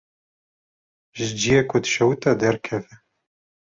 Ji ciyê ku dişewite derkeve.